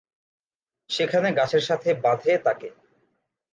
সেখানে গাছের সাথে বাঁধে তাকে।